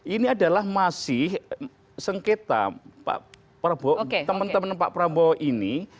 ini adalah masih sengketa pak prabowo teman teman pak prabowo ini